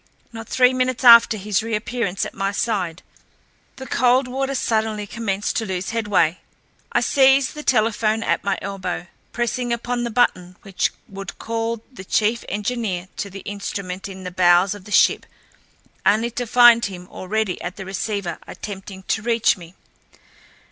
Not three minutes after his reappearance at my side the Coldwater suddenly commenced to lose headway. I seized the telephone at my elbow, pressing upon the button which would call the chief engineer to the instrument in the bowels of the ship, only to find him already at the receiver attempting to reach me.